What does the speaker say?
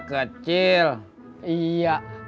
kita harusnya berpengalaman